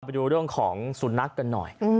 ไปดูเรื่องของสุนัขกันหน่อย